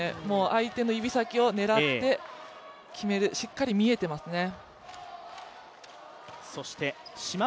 相手の指先を狙って決める、しっかり見えていますね。